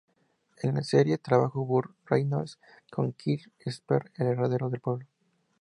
En la serie trabajó Burt Reynolds, como Quint Asper, el herrero del pueblo.